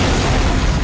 rayus rayus sensa pergi